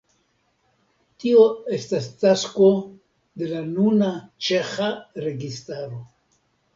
Tio estas tasko de la nuna ĉeĥa registaro.